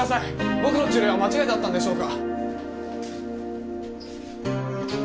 僕の治療は間違いだったんでしょうか？